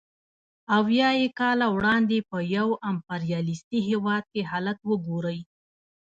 اویای کاله وړاندې په یو امپریالیستي هېواد کې حالت وګورئ